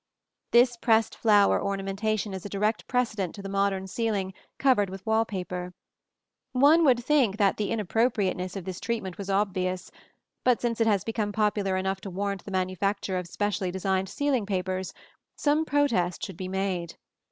This pressed flower ornamentation is a direct precedent to the modern ceiling covered with wall paper. One would think that the inappropriateness of this treatment was obvious; but since it has become popular enough to warrant the manufacture of specially designed ceiling papers, some protest should be made.